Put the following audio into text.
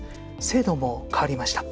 制度も変わりました。